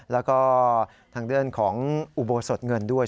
แล้วก็ทางด้านของอุโบสถเงินด้วย